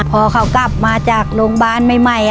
พอเขากลับมาจากโรงพยาบาลใหม่